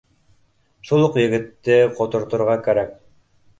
— Шул уҡ егетте ҡоторторға кәрәк